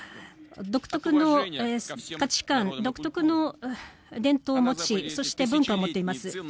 独特の価値観、独特の伝統を持ちそして、文化を持っています。